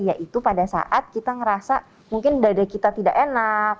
yaitu pada saat kita ngerasa mungkin dada kita tidak enak